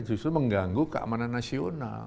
justru mengganggu keamanan nasional